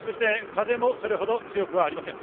風もそれほど強くありません。